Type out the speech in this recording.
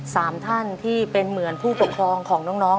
สามท่านที่เป็นเหมือนผู้ปกครองของน้อง